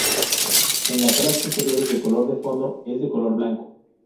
En las alas posteriores el color de fondo es de color blanco.